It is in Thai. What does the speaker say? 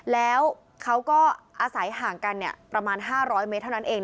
แล้วเขาก็อาศัยห่างกันประมาณ๕๐๐เมตรเท่านั้นเอง